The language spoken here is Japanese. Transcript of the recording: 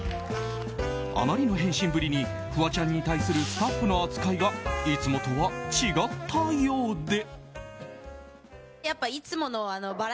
あまりの変身ぶりにフワちゃんに対するスタッフの扱いがいつもとは違ったようで。